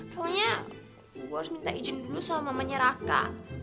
soalnya gue harus minta izin dulu sama mamanya raka